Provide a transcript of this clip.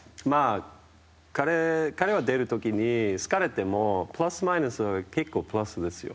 彼は出る時に疲れてもプラスマイナス結構、プラスですよ。